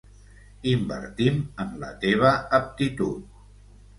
Invertim en la teva aptitud.